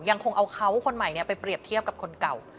ยังคงเอาเขาคนใหม่ไปเปรียบเทียบกับคนเก่า